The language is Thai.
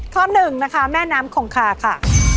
ข้อหนึ่งนะคะแม่น้ำคงคาค่ะ